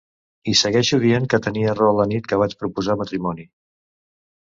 I segueixo dient que tenia raó la nit que vaig proposar matrimoni.